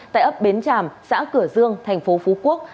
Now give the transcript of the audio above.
tại ấp bến tràm xã cửa dương tp phú quốc